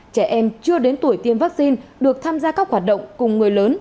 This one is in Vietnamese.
trẻ em chưa đến tuổi tiêm vaccine được tham gia các hoạt động cùng người lớn